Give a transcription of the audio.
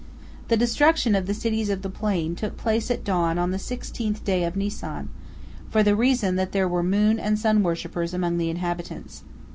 The destruction of the cities of the plain took place at dawn of the sixteenth day of Nisan, for the reason that there were moon and sun worshippers among the inhabitants.